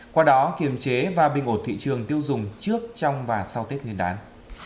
qua đó kiểm chế và bình ổn thị trường tiêu dùng trước trong và sau tết nguyên đáng